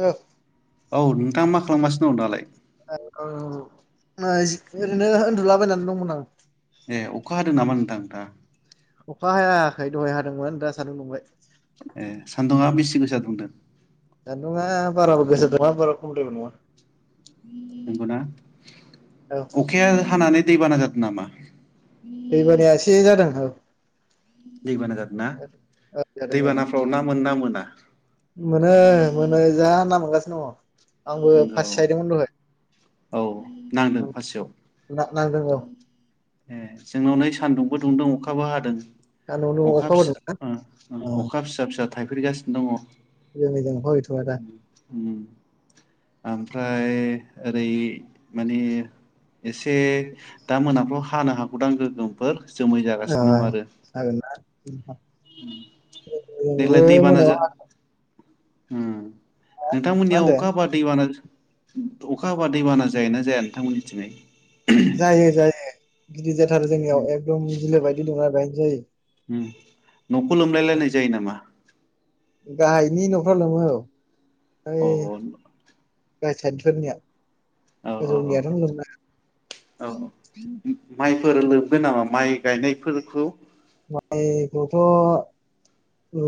ओ। औ नोंथाङा मा खालामगासिनो दं दालाय? [unintelligible] उन्दुलाबायनानै दंमोन आं। ए अखा हादों नामा नोंथां दा? अखा हायाखै दहाय हादोंमोन दा सान्दुं दुंबाय। ए सान्दुङा बिसि गोसा दुंदों? सानदुंङा बारोबो गोसा दुङा बारा खम'द्रायबो नङा। नंगौना औ अखाया हानानै दैबाना जादों नामा? [inaudible] दैबानाया एसे जादों औ। दैबाना जादों ना? औ जादों जादों दैबानाफ्राव ना मोनोना मोना? मोनो मोनो जा ना मोनगासिनो दङ। आंबो नंगौ फारथि साहैदोंमोन दहाय। औ नांदों ओं फारसेयाव ना नांदों औ। ए जोंनाव नै सान्दुंबो दुंदों अखाबो हादों। सान्दुं अखा फिसा हादोंना ओ ओ अखा फिसा फिसा थाइफ्रि गासिनो दङ। जोंनिजों हयथ'आ दा उम आमफ्राय ओरै माने एसे दा मोनाफ्राव हानो हागौदां गोगोमफोर। जोमै अ जागासिनो दं आरो हागोनदां। औ नंगौ मोनायाव हागोन। होम। नोंथांमोननियाव होनदों अखा हाबा दैबाना अखा हाबा दैबाना जायोना जाया नोंथांमोननिथिङै? जायो जायो। गिदिरथार उम जोंनियाव एकदम बिलो बायदि दंना बेहायनो जायो। उम न'खौ लोमलायलायनाय जायो नामा? गाहायनि न'फ्राव लोमो औ। ओइ औ औ। गाहाय साइदफोरनिया। औ औ गोजौनियाथ' औ लोमला। फोर लोमदो नामा माइ गायनायफोरखौ? माइखौथ'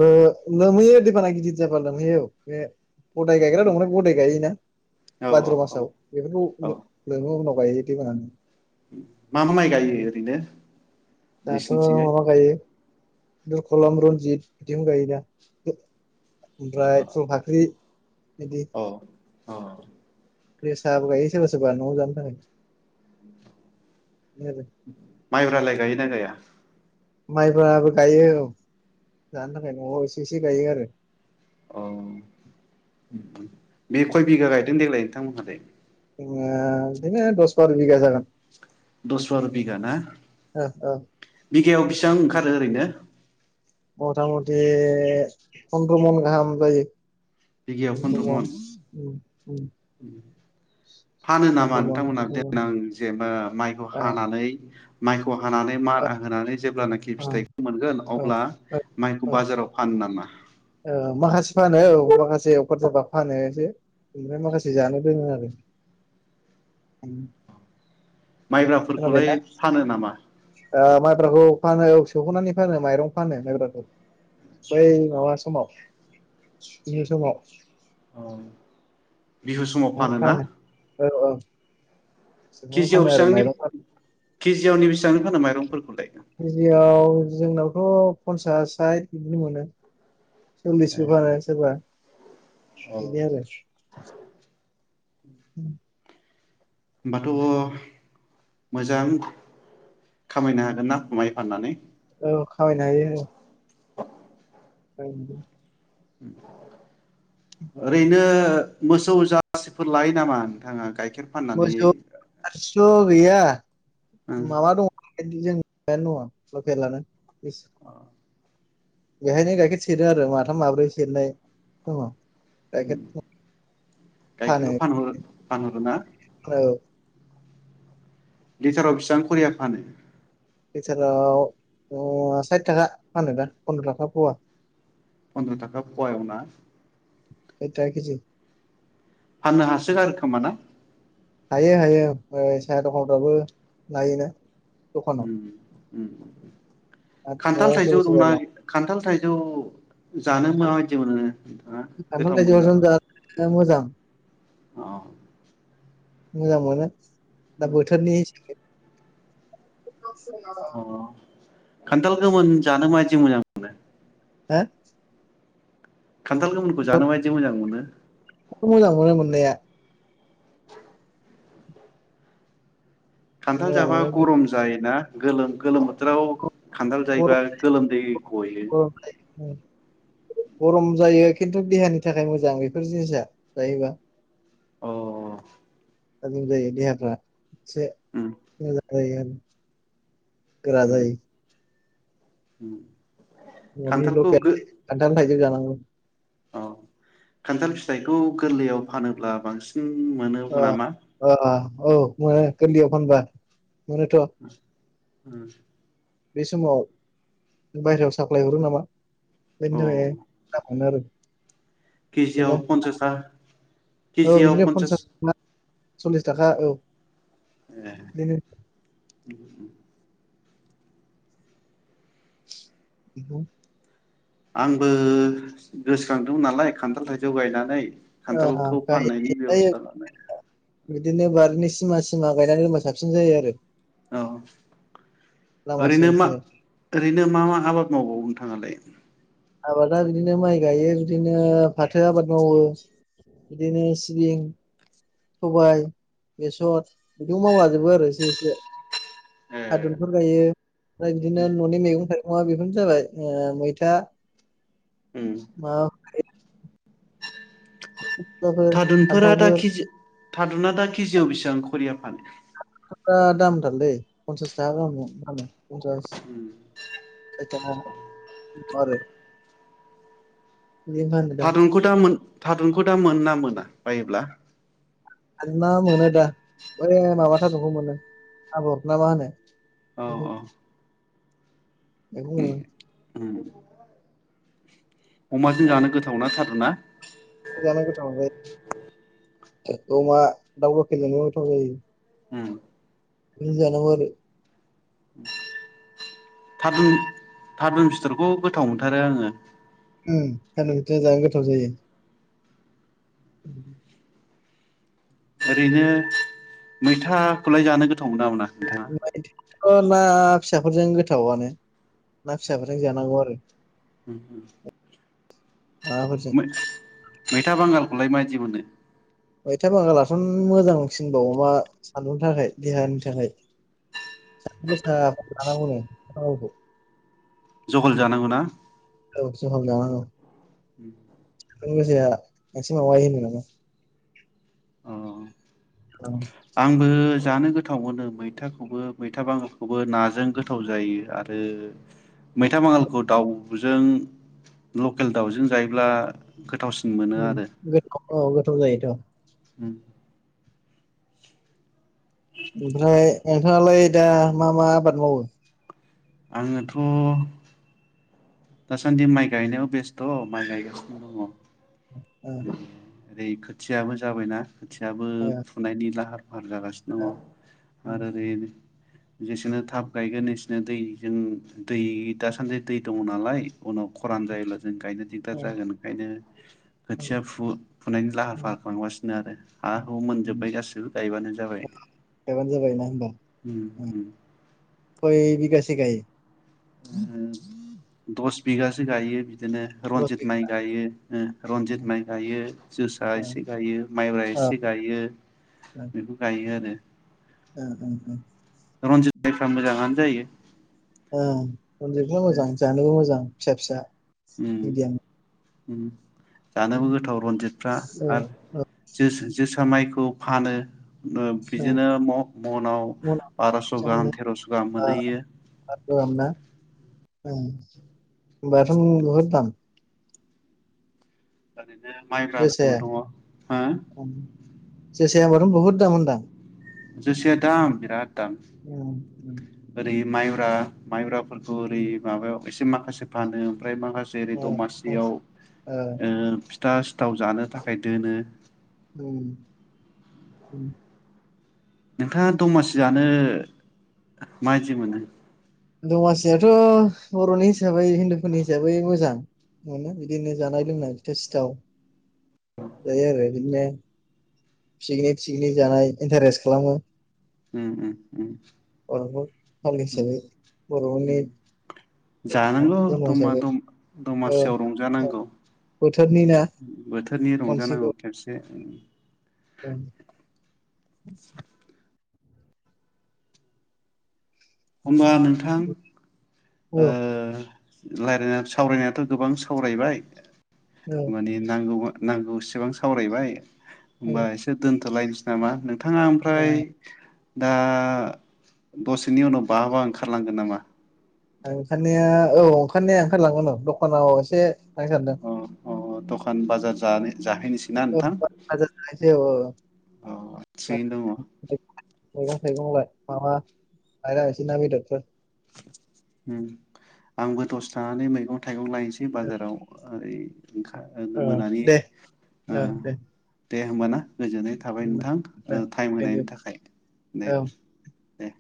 लो-लोमहैयो दैबाना गिदिर जाबा लोमहैयो औ बे गदाय गायग्रा दं ना गदाय गायोना औ भाद्र' औ मासाव बेफोरखौ औ लो-लोङो उनाव। बायदि दैबाननि मा मा माइ गायो ओरैनो नोंसिनिथिङै? [unintelligible] द कलम, रनजित बिदिखौ गायो दा। ओमफ्राय फुलफाख्रि औ अ जोसाबो गायो सोरबा सोरबा न'आव जानो थाखाय बिदिनो आरो माइब्रालाय गायोना गाया माइब्राबो गायो औ जानो थाखाय न'आव एसे एसे गायो आरो औ बे खय बिघा गायदों देग्लाय नोंथांमोनहालाय जोंना बिदिनो दस बार' बिगा जागोन दस बार बिगा ना ओ ओ बिघायाव बेसिबां ओंखारो ओरैनो मथा मथि फन्द्र' मन गाहाम जायो बिगायाव फन्द्र' फन्द्र'मन मन उम उम फानो नामा फन्द्र' मन नोंथांमोनहा सद्र' मन देनां जेनेबा माइखौ ओ हानानै माइखौ हानानै ओ मारा होनानै जेब्लानाखि ओ फिथाइखौ मोनगोन ओ अब्ला ओ माइखौ ओ बाजाराव फानो नामा ओ माखासे फानो औ माखासे अफार जाबा फानो एसे ओमफ्राय माखासे जानो दोनो आरो उम माइब्राफोरखौलाय फानो नामा ओ माइब्राखौ फानो सोख'नानै फानो माइरं फानो माइब्राखौ बै माबा समाव बिहु समाव औ बिहु समाव फानो ना औ औ सौनानै केजियाव फानो आरो बेसांनि माइरं फानो केजियावनि बेसांनि फानो माइरंफोरखौ लाय केजियाव जोंनावथ' पन्सास साइ बिदि मोनो सल्लिसबो फानो सोरबा बेनिया होमबाथ' लाइ [unintelligible] होमबाथ' मोजां खामायनो हागोन ना माइ फाननानै औ खामायनो हायो बायनि लै ओरैनो मोसौ जारसिफोर लायो नामा नोंथाङा गायखे मोसौ जारसिखौ गैया माबा दं [unintelligible] लकेलानो अ बेहायनो गाइखेर सेरो आरो माथाम माब्रै सेरनाय दङ गाइखेर फानो गायखेरखौ फानहर फानहरो ना औ लिटाराव बेसिबां खरियाव फानो लिटाराव साइथि थाखा फानो दा फन्द्र थाखा फवा फन्द्र' थाखा पयावबा साइट था केजि । फाननो हासोगारो खोमा ना? हायो हायो ओ सायहा दखानफ्राबो लायोना दखानाव ओम । ओम । आरो खान्थाल न'आव सोरबा थाइजौ सोरबा दंना लाङो खान्थाल थाइजौ जानो माबायदि मोनो नोंथाङा खान्थाल गोथाव मोनो थाइजौआथ' नामा? [unintelligible] मोजां । अ । मोजां मोनो दा बोथोरनि हिसाबै अ [unintelligible] खान्थाल गोमोन जानो मायदि मोजां मोनो? हो? खान्थाल गोमोनखौ जानो माबायदि मोजां मोनो? [unintelligible] मोजां मोनो मोन्नाया । खान्थाल मोजां जाबा मोनो गरम जायोना? गोलोम गोलोम बोथोराव खान्थाल जायोबा गोलोमदै गयो । गरम जायो गरम जायो खिन्थु देहानि थाखाय मोजां बेफोर जिनिसा जायोबा । अ । थाजिम जायो देहाफ्रा । से उम मोजा [unintelligible] गोरा जायो । ओम । ननि लकेल खानथाल थायजौ जाना गौ । औ खान्थाल फिथाइखौ गोरलैयाव फानोब्ला बांसि अ अ अ । औ मोनो गैरलैआव फानबा । मोनोथ' ओम । बे समाव बायह्रायाव साप्लाय हरो नामा बेनि औ थाखाय मोनो आरो । केजियाव पन्सास था औ केजियाव बिदिनो पन्सास थाखा सल्लिस थाखा औ । ए। [inaudible] [unintelligible] आंबो गोसखांदोंमोन नालाय खान्थाल थाइजौ गायनानै ओ खान्थालखौ फाननायनि गायो बेब'स्था लानो। बिदिनो बार दिनो सिमा सिमा गायनानै होबा सानसि थिं जायो आरो। औ लामा ओरैनो सेर मा सेर ओरैनो मा मा आबाद मावबावो नोंथाङालाय? आबादा बिदिनो माइ गायो बिदिनो फाथो आबाद मावो बिदिनो सिबिं, सबाय, बेसर बिदिखौ मावलाजोबो आरो एसे एसे। ए खादुनफोर गायो ओमफ्राय बिदिनो न'नि मैगंफोर मुवा बेफोरनो जाबाय ओ मैथा ओम। माबाफोर थादुनफोरा दा फान्थावफोर खिजि थादुना दा केजियाव बेसेबां खरियाव फानो? आ दामथारलै पनसास थाखा गाहामाव फानो। पनसास बेथाङा बेल' आरो। बिदिनो फानो थारुनखौ दा मोन थारुनखौ दा मोनोना मोना बायोब्ला? आनबा मोनो दा बै माबा थादखौ मोनो आबर ना मा होनो। औ बेखौ औ। बेखौ मोनो। उम अमाजों जानो गोथावना थारुना? जानै गोथाव जायो अमा दाउ लकेलजोंबो गोथाव जायो। ओम। बिजों जानांगौ आरो। थारुन थारुन फिथरखौ गोथाव मोनथारो आङो। ओं थारुन जों जानो गोथाव जायो। ओरैनो मैथाखौलाय जानो गोथाव मोनोना मोना नोंथाङा? [unintelligible] अ ना फिसाफोरजों गोथावनो ना फिसाफोरजों जानांगौ आरो। उम। माबाफोरजों मै-मैथा बांगालखौलाय माय दि मोनो? मैथा बागालथ' मोजांसिनबाव बा सान्दुंनि थाखाय देहानि थाखाय बेखौ जोंङो जानांगौनो [unintelligible] जहल जानांगौ ना? औ जहल जानांगौ। उम [unintelligible] एसे माबायोनो । अ औ आंबो जानो गोथाव मोनो मैथाखौबो मैथा बांगालखौबो नाजों गोथाव जायो आरो मैथा बांगालखौ दाउजों लकेल दाउजों जायोब्ला गोथावसिन। मोनो आरो [unintelligible] गोथाव औ गोथाव जायोथ' [unintelligible] ओमफ्राय नोंथाङालाय दा मा मा आबाद मावो? आंङोथ' दासान्दि माइ गायनायाव बेस्थ' माइ गायगासिनो दंङ। ओ [unintelligible] ओरै खोथियाबो जाबायना। खोथियाबो ओ फुनायनि लाहार वार जागासिनो दङ उम आरो ओरै जेसेनो थाब गायगोन एसेनो दैजों दै दा सानदि दै दङ ना नालाय उनाव खरान जायो जों गायनो दिगदार उम जागोन ओंखायनो खोथिया उम फु-फुनायनि लाहार उम फाहार खालामगासिनो आरो हा उम, हु मोनजोबबाय गासिबो गायबानो जाबाय गायबानो जाबायना होमबा उम उम से गायो उम दस बिगासो गायो। बिदिनो दस रनजित बिगा माइ गायो ओ रनजित माइ गायो जोसा एसे गायो माइब्रा औ एसे गायो बेखौ गायो आरो [unintelligible] रन्जित माइफ्रा मोजाङा जायो। ओ रन्जितफ्रा मोजां जानोबो मोजां। फिसा फिसा उम मिडियाम उम जानोबो उम, गोथाव रनजितफ्रा औ आरो औ जोस-जोस [unintelligible] माइखौ फानो। ओ ओं, बिदिनो म-मनाव मना बारस' बेसेबां गाहाम मोनो थेरस' गाहाम आ, मोनहैयो। आठ गाहाम ना ओं, होमबाथ नोङो बहुद दाम। [unintelligible] नो माइब्राबो जोसाया दङ हो? जोस सायाबोथ' बुहुद दाम होनदां जोसाया दाम बिराद मायब्रा मायब्राब फोरखौबो ओरै ओं, माबायाव एसे माखासे फानो ओमफ्राय माखासे ओरै ओ ओ दमासियाव ओ फिथ फिथा सिथाव जानो थाखाय दोनो उम नोंथाङा दमासि जानो माबायदि मोनो? दमासियाथ' बर'नि हिसाबै हिन्दुफोरनि हिसाबै मोजां मोनो बिदिनो जानाय लोंनाय फिथा सिथाव जायो आरो बिदिनो फिगनिक थिगिनिक जानाय। इन्टारेस्ट खालामो। उम उम उम बर'फोर फालिनाय उम हिसाबै बर'नि उम जानांगौ धर्म दामा हिसाबै दम औ दमासियाव औ रंजानांगौ बोथोरनि ना बोथोरनि रंजानांगौ खेबसे ओ द [inaudible] होमबा नोंथां। औ रायलायनाय सावरायनायाथ' गोबां सावरायबाय औ मानि नांगौआ नांगौ सेबां सावरायबाय होमबा औ एसे दोनथ'लायनोसै नामा नोंथाङा ओमफ्राय दा दसेनि उनाव बाहाबा ओंखारलांगोन नामा? ओंखारनाया औ ओंखारनाया ओंखारलांगोन औ दखानाव एसे थांनो सानदों अ अ द'खान बाजार जानो। जाहैनोसैना औ नोंथां बाजार जायैसै ओ अ थिगैनो दङ मैगं थाइगं लाय माबा लायला बायसै ना बेदरफोर। ओम आंबो दसे थानानै मैगं थाइगं लाय सै बाजाराव आ ओइ ओंखा ओ गो मोनानि दे ओ औ दे दे होमबा ना। गोजोननाय थाबाय खुलुमबाय नोंथां दे ओ टाइम थेंक होनायनि इउ थाखाय दे। औ दे